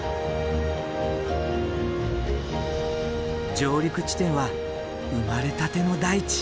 上陸地点は生まれたての大地